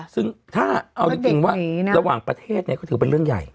ซึ่งถ้าเอาจริงว่าระหว่างประเทศเนี่ยก็ถือเป็นเรื่องใหญ่